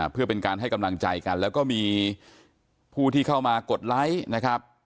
เพื่อเป็นการให้กำลังใจกันแล้วก็มีผู้ที่เข้ามากดไลค์นะครับ